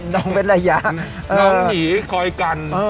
น้องหมีคอยกัน